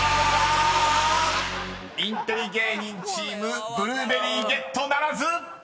［インテリ芸人チームブルーベリーゲットならず！］